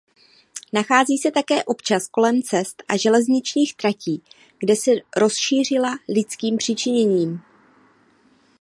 Nachází se také občas kolem cest a železničních tratí kde se rozšířila lidským přičiněním.